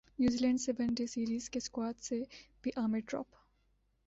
نیوزی Zealand one day series کے squad سے بھی عامر ڈراپ